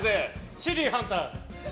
「シティハンター」！